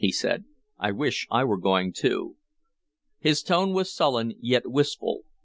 he said. "I wish I were going, too." His tone was sullen, yet wistful.